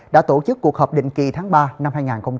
đã tổ chức cuộc họp định kỳ tháng ba năm hai nghìn hai mươi